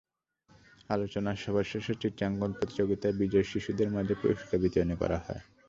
আলোচনা সভা শেষে চিত্রাঙ্কন প্রতিযোগিতায় বিজয়ী শিশুদের মধ্যে পুরস্কার বিতরণ করা হয়।